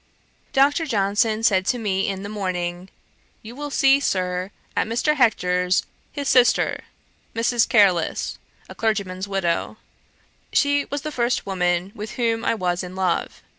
Dr. Johnson said to me in the morning, 'You will see, Sir, at Mr. Hector's, his sister, Mrs. Careless, a clergyman's widow. She was the first woman with whom I was in love.